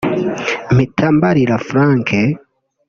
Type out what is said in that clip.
mpita mbarira Frank